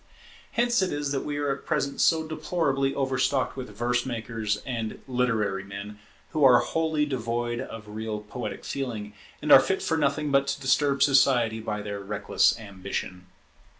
Hence it is that we are at present so deplorably over stocked with verse makers and literary men, who are wholly devoid of real poetic feeling, and are fit for nothing but to disturb society by their reckless ambition.